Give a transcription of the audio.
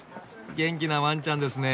元気なワンちゃんですね。